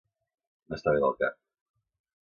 No estar bé del cap.